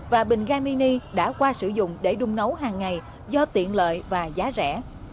và bình ga mini đã qua sử dụng để đun nấu hàng ngày do tiện lợi và giá rẻ